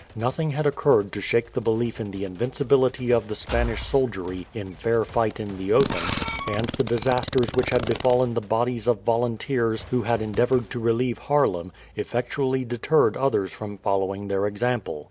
Nothing had occurred to shake the belief in the invincibility of the Spanish soldiery in fair fight in the open, and the disasters which had befallen the bodies of volunteers who had endeavoured to relieve Haarlem, effectually deterred others from following their example.